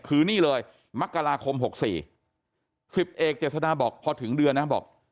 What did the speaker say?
คือนี่เลยมกราคม๖๔๑๐เอกเจษฎาบอกพอถึงเดือนนะบอก